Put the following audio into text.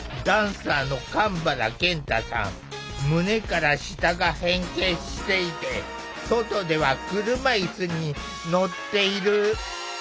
胸から下が変形していて外では車いすに乗っている。